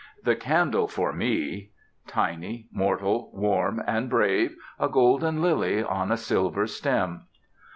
The candle for me, tiny, mortal, warm, and brave, a golden lily on a silver stem!